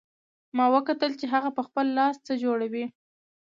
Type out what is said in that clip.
ما وکتل چې هغه په خپل لاس څه جوړوي